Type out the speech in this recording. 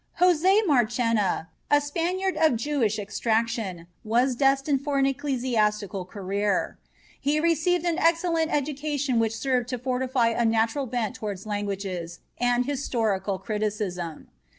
Jose Marchena, a Spaniard of Jewish extraction, was destined for an ecclesiastical career. He received an excellent education which served to fortify a natural bent toward languages and historical criticism.